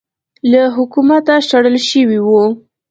له حکومته شړل شوی و